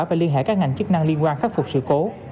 và liên hệ các ngành chức năng liên quan khắc phục sự cố